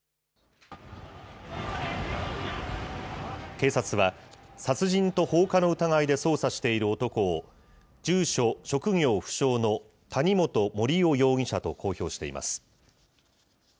警察は、殺人と放火の疑いで捜査している男を、住所、職業不詳の谷本盛雄容疑者と公表しています。